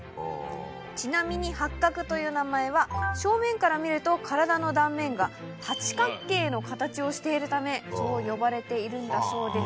ちなみにハッカクという名前は正面から見ると体の断面が八角形の形をしているためそう呼ばれているんだそうです。